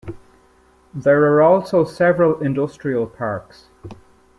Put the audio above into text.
There are also several industrial parks.